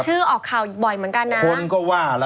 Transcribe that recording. ชื่อออกข่าวบ่อยเหมือนกัน